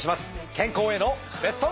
健康へのベスト。